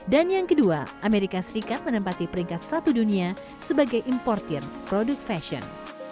dan yang kedua amerika serikat menempati peringkat satu dunia sebagai importer produk fashion